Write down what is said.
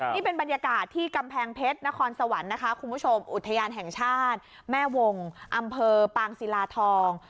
นี่เป็นบรรยากาศที่กำแพงเพชรนครสวรรค์นะคะคุณผู้ชมอุทยานแห่งชาติแม่วงอำเภอปางศิลาทอง